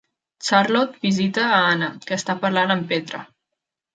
Charlotte visita a Anna, que està parlant amb Petra.